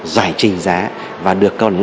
giải trình giá và được cơ hội